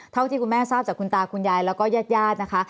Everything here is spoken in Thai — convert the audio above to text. เท่าที่คุณแม่ทราบจากคุณตาคุณยายแล้วก็ญาติญาตินะคะ